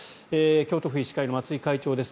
京都府医師会の松井会長です。